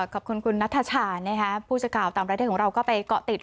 ขอบคุณคุณนัทชาผู้จะกล่าวตามรายเที่ยวของเราก็ไปเกาะติด